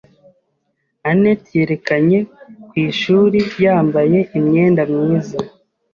anet yerekanye ku ishuri yambaye imyenda myiza.